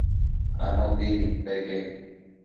Anopi nidpeque